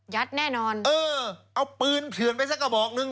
แน่นอนเออเอาปืนเถื่อนไปสักกระบอกนึง